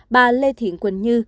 bà lê thiện quỳnh như